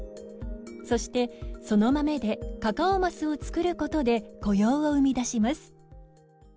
そしてその豆でカカオマスを作ることで雇用を生み出します。